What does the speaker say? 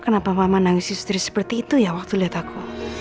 kenapa mama nangis istri seperti itu ya waktu lihat aku